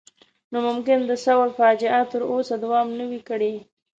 نو ممکن د ثور فاجعه تر اوسه دوام نه وای کړی.